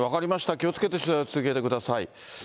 気をつけて取材を続けてください。